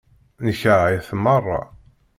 Nekṛeh-it meṛṛa.